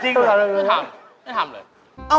จริงเหรอไม่ทำไม่ทำเลย